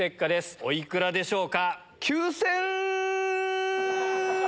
おいくらでしょうか。